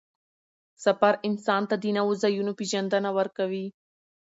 سفر انسان ته د نوو ځایونو پېژندنه ورکوي